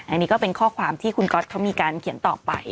อันนี้ก็เป็นข้อความที่คุณก๊อตเขามีการเขียนต่อไป